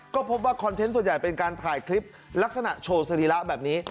ก็พบว่าคอนเทนต์ส่วนใหญ่เป็นการถ่ายคลิปลักษณะโชว์สรีระแบบนี้